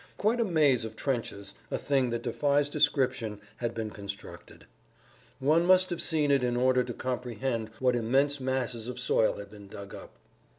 Quite a maze of trenches, a thing that defies description, had been constructed. One must have seen it in order to comprehend what immense masses of soil had been dug up.